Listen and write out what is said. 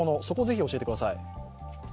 そこを是非教えてください。